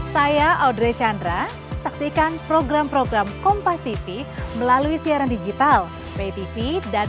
saya audrey chandra saksikan program program kompas tv melalui siaran digital ptv dan